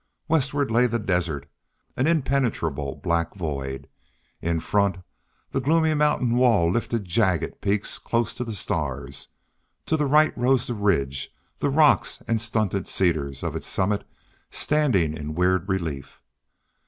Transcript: Westward lay the desert, an impenetrable black void; in front, the gloomy mountain wall lifted jagged peaks close to the stars; to the right rose the ridge, the rocks and stunted cedars of its summit standing in weird relief.